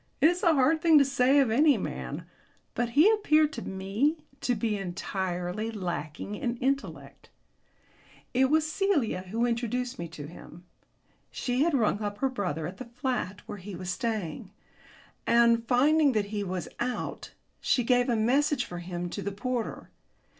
It is a hard thing to say of any man, but he appeared to me to be entirely lacking in intellect. It was Celia who introduced me to him. She had rung up her brother at the flat where he was staying, and, finding that he was out, she gave a message for him to the porter.